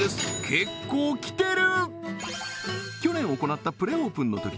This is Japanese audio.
結構来てる！